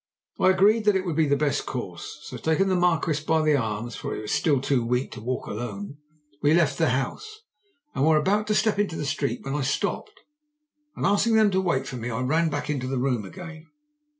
I agreed that it would be the best course; so, taking the Marquis by the arms (for he was still too weak to walk alone), we left the house, and were about to step into the street when I stopped, and asking them to wait for me ran back into the room again.